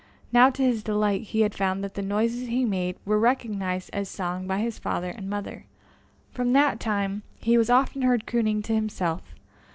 Now, to his delight, he had found that the noises he made were recognized as song by his father and mother. From that time he was often heard crooning to himself.